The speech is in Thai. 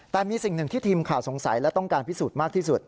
แต่มีสิ่งหนึ่งที่ทีมข่าวสงสัยและต้องการพิสูจน์มากที่สุด